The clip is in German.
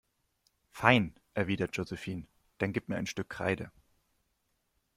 Fein, erwidert Josephine, dann gib mir ein Stück Kreide.